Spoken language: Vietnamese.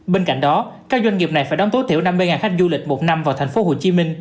bên cạnh đó các doanh nghiệp này phải đóng tối thiểu năm mươi khách du lịch một năm vào tp hcm